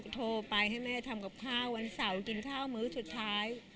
โทรไปให้แม่ทำกับข้าววันเสาร์กินข้าวมื้อสุดท้าย